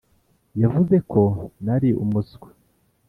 yavuze ko nari umuswa,